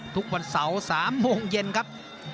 ทุกวันเสาร์๓โมงเย็นครับ